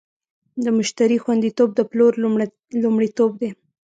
د مشتری خوندیتوب د پلور لومړیتوب دی.